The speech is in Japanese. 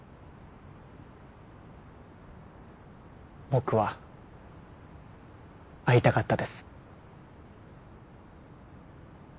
僕は会いたかったです